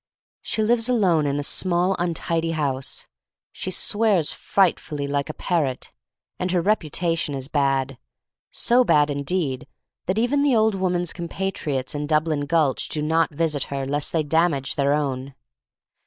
She lives alone in a small, untidy house. She swears frightfully like a parrot, and her reputation is bad — so bad, indeed, that even the old woman's compatriots in Dublin Gulch do not visit her lest they damage their own.